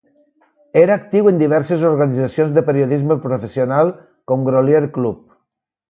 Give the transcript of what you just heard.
Era actiu en diverses organitzacions de periodisme professional, com Grolier Club.